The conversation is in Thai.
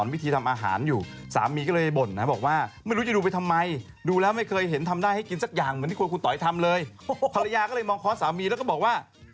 ภรรยาก็เลยมองค้อสามีแล้วก็บอกว่า